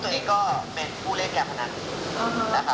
จริงก็ต้องถูกกำลังทำคดีด้วยครับ